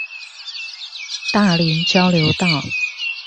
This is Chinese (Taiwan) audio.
大林交流道